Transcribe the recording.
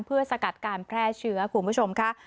เพื่อสกัดการแพร่เชื้อคุณผู้ชมค่ะ